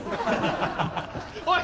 おい！